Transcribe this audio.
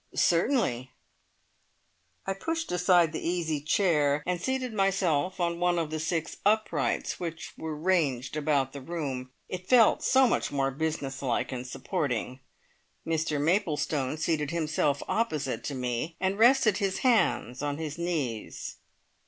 "Certainly." I pushed aside the easy chair and seated myself on one of the six "uprights" which were ranged about the room. It felt so much more business like and supporting. Mr Maplestone seated himself opposite to me, and rested his hands on his knees.